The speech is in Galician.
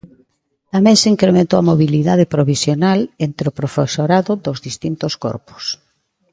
Tamén se incrementou a mobilidade provisional entre o profesorado dos distintos corpos.